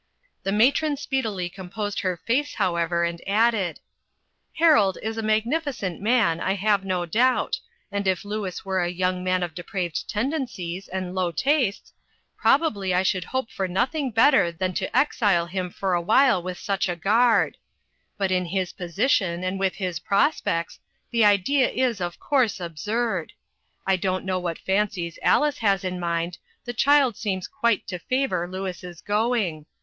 The matron speedily composed her face, however, and added: " Harold is a magnificent man, I have no doubt, and if Louis were a young man of depraved tendencies and low tastes, probably I should hope for nothing better than to ex ile him for awhile with such a guard ; but in his position, and with his prospects, the idea is, of course, absurd. I don't know what fancies Alice has in mind, the child seems quite to favor Louis' going.